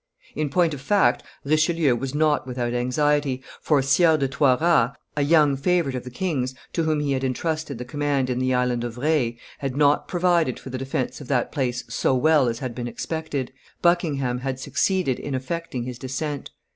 In point of fact, Richelieu was not without anxiety, for Sieur de Toiras, a young favorite of the king's, to whom he had entrusted the command in the Island of Re, had not provided for the defence of that place so well as had been expected; Buckingham had succeeded in effecting his descent.